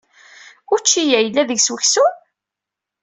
Učči-ya yella deg-s weksum?